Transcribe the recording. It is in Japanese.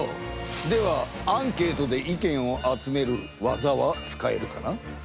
ではアンケートで意見を集める技は使えるかな？